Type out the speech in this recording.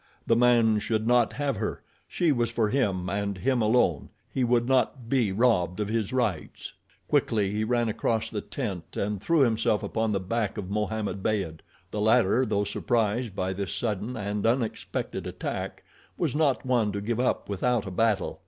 The man should not have her. She was for him and him alone. He would not be robbed of his rights. Quickly he ran across the tent and threw himself upon the back of Mohammed Beyd. The latter, though surprised by this sudden and unexpected attack, was not one to give up without a battle.